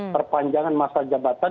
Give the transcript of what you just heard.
perpanjangan masa jabatan